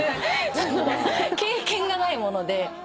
経験がないもので。